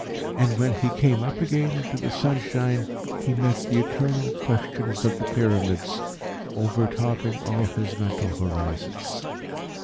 And when he came up again into the sunshine he met the eternal questions of the pyramids, overtopping all his mental horizons.